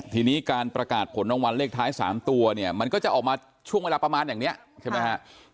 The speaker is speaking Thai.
ทีนี้การประกาศผลรางวัลเลขท้าย๓ตัวเนี่ยมันก็จะออกมาช่วงเวลาประมาณอย่างนี้ใช่ไหมฮะ